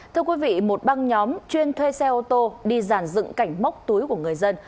thưa quý vị một băng nhóm chuyên thuê xe ô tô đi giàn dựng cảnh móc túi của người dân